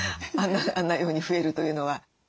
あんなように増えるというのは。